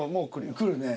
来るね。